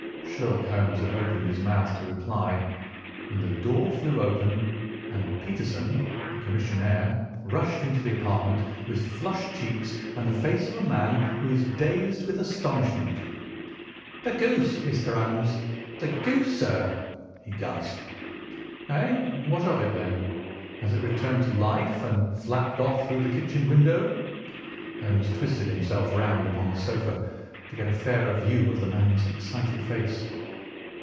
Sherlock Holmes had opened his mouth to reply, when the door flew open, and Peterson, the commissionaire, rushed into the apartment with flushed cheeks and the face of a man who is dazed with astonishment. "The goose, Mr. Holmes! The goose, sir!" he gasped. "Eh? What of it, then? Has it returned to life and flapped off through the kitchen window?" Holmes twisted himself round upon the sofa to get a fairer view of the man's excited face.